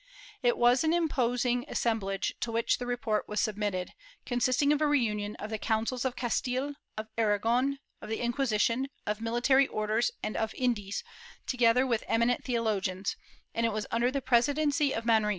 It was an imposing assemblage to which the report was sub mitted, consisting of a reunion of the Councils of Castile, of Aragon, of the Inquisition, of Military Orders and of Indies, together with eminent theologians, and it was under the presidency of Manrique.